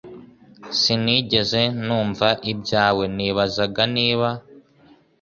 Sinigeze numva ibyawe Nibazaga niba